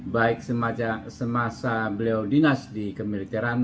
baik semasa beliau dinas di kemiliteran